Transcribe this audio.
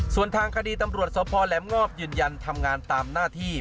ส่วนทางคดีตำรวจสพแหลมงอบยืนยันทำงานตามหน้าที่